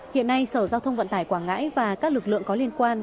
hiện nay sở giao thông vận tải quảng ngãi và các lực lượng có liên quan